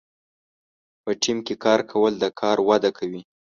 په ټیم کې کار کول د کار وده کوي.